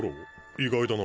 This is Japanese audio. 意外だな。